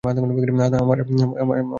আমার কী হবে?